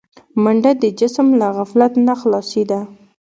منډه د جسم له غفلت نه خلاصي ده